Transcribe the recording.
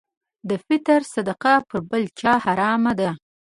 د فطر صدقه پر بل چا حرامه ده.